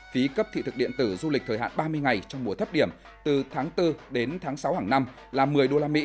phí cấp thị thực điện tử du lịch thời hạn ba mươi ngày trong mùa thấp điểm từ tháng bốn đến tháng sáu hàng năm là một mươi usd